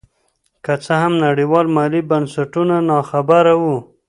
که څه هم نړیوال مالي بنسټونه نا خبره وو.